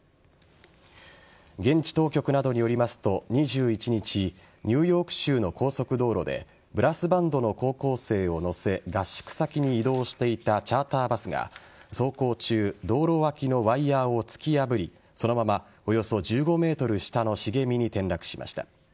現地当局などによりますと２１日ニューヨーク州の高速道路でブラスバンドの高校生を乗せ合宿先に移動していたチャーターバスが走行中道路脇のワイヤーを突き破りそのまま、およそ１５ｍ下の茂みに転落しました。